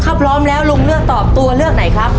ถ้าพร้อมแล้วลุงเลือกตอบตัวเลือกไหนครับ